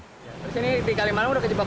terus ini di kalimalang udah kejebak